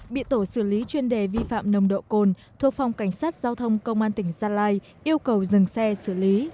bị tổ xử lý chuyên đề vi phạm nồng độ cồn thuộc phòng cảnh sát giao thông công an tỉnh gia lai yêu cầu dừng xe xử lý